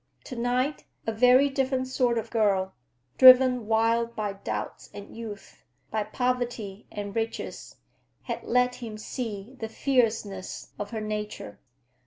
To night a very different sort of girl—driven wild by doubts and youth, by poverty and riches—had let him see the fierceness of her nature.